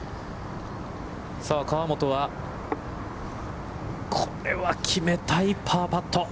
さあ、河本は、これは決めたいパーパット。